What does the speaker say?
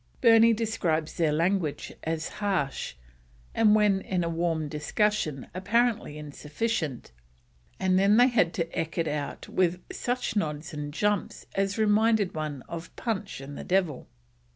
Burney describes their language as harsh, and when in a warm discussion, apparently insufficient, and then they had to eke it out with such nods and jumps as reminded one of "Punch and the Devil."